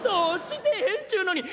「してへんっちゅうのに」。